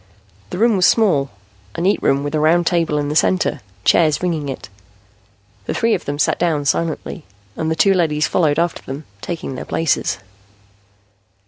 The room was small, a neat room with a round table in the center, chairs ringing it. The three of them sat down silently, and the two leadys followed after them, taking their places.